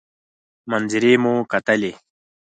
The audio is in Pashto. منظرې مو کتلې.